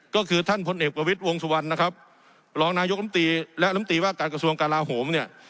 ก็คือท่านพลเอกประวิทย์วงสุวรรณนะครับรองนายกรรมตรีและลำตีว่าการกระทรวงกลาโหมเนี่ย